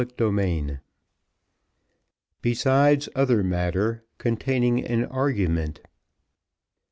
Chapter XXXIV Besides other Matter, containing an Argument.